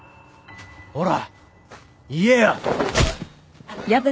ほら言えよ！